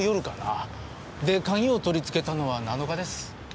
で鍵を取り付けたのは７日です。